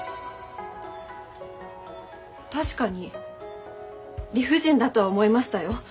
確かに理不尽だとは思いましたよ。